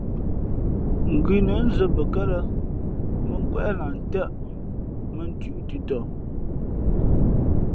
Ngʉnə̌ nzᾱ mbαkάlᾱ mᾱ nkwéʼ lah ntάʼ mᾱnthʉ̄ʼ ntʉntɔ.